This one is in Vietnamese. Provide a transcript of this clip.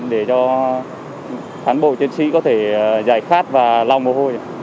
để cho cán bộ chiến sĩ có thể giải khát và lau mồ hôi